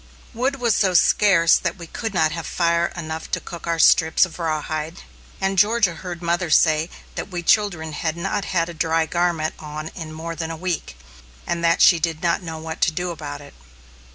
Wood was so scarce that we could not have fire enough to cook our strips of rawhide, and Georgia heard mother say that we children had not had a dry garment on in more than a week, and that she did not know what to do about it.